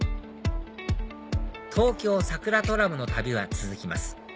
東京さくらトラムの旅は続きます